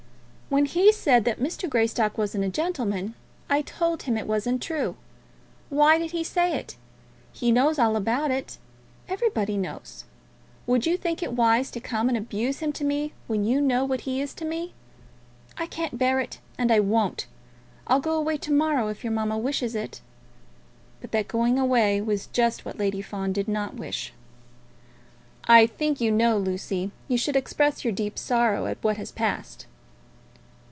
"When he said that Mr. Greystock wasn't a gentleman, I told him it wasn't true. Why did he say it? He knows all about it. Everybody knows. Would you think it wise to come and abuse him to me, when you know what he is to me? I can't bear it, and I won't. I'll go away to morrow, if your mamma wishes it." But that going away was just what Lady Fawn did not wish. "I think you know, Lucy, you should express your deep sorrow at what has passed."